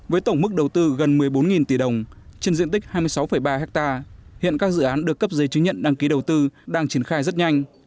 với tổng mức đầu tư gần một mươi bốn tỷ đồng trên diện tích hai mươi sáu ba ha hiện các dự án được cấp giấy chứng nhận đăng ký đầu tư đang triển khai rất nhanh